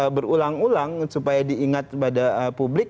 berulang ulang supaya diingat pada publik